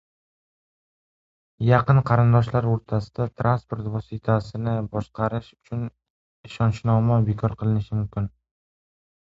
Yaqin qarindoshlar o‘rtasida transport vositasini boshqarish uchun ishonchnoma bekor qilinishi mumkin